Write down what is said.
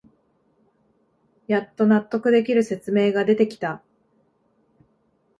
やっと納得できる説明が出てきた